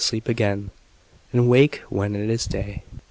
sleep again, And wake when it is day.